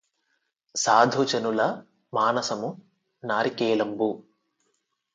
సాధుజనుల మానసము నారికేళంబు